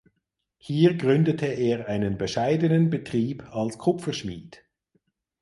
Hier gründete er einen bescheidenen Betrieb als Kupferschmied.